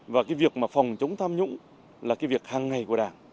và cái việc mà phòng chống tham nhũng là cái việc hàng ngày của đảng